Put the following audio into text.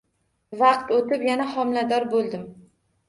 Vaqt o`tib, yana homilador bo`ldim